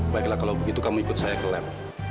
baiklah kalau begitu kamu ikut saya ke lab